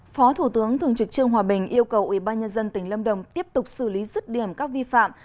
phó thủ tướng thường trực trương hòa bình yêu cầu ubnd tỉnh lâm đồng tiếp tục xử lý rứt điểm các vi phạm